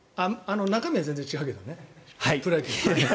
中身は全然違うけどね。